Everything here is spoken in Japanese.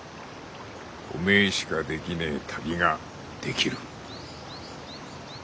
おめえしかできねえ旅ができる。